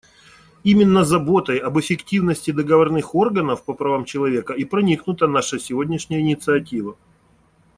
Именно заботой об эффективности договорных органов по правам человека и проникнута наша сегодняшняя инициатива.